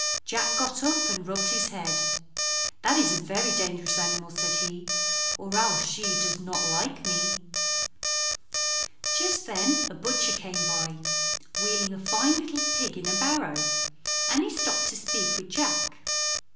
Jack got up and rubbed his head. "That is a very dangerous animal," said he, "or else she does not like me." Just then a butcher came by, wheeling a fine little pig in a barrow, and he stopped to speak with Jack.